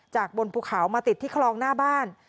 บนภูเขามาติดที่คลองหน้าบ้าน